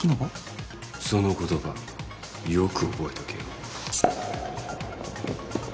その言葉よく覚えとけよ。